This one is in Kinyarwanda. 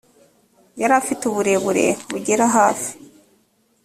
yari afite uburebure bugera hafi